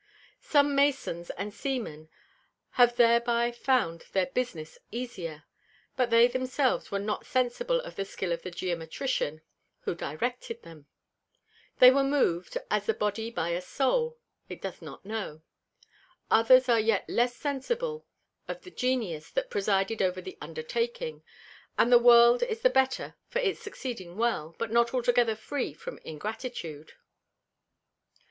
Some Masons and Seamen have thereby found their Business easier, but they themselves were not sensible of the Skill of the Geometrician who directed them. They were mov'd, as the Body by a Soul, it doth not know. Others are yet less sensible of the Genius that presided over the Undertaking; and the World is the better for its succeeding well, but not altogether free from Ingratitude.